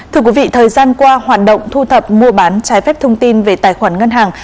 thưa quý vị thời gian qua hoạt động thu thập mua bán trái phép thông tin về tài khoản ngân hàng